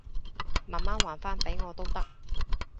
慢慢還返畀我都得